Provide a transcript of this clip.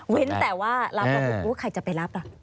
วิ้นแต่ว่ารับแล้วใครจะไปรับล่ะ